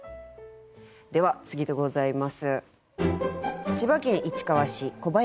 では次でございます。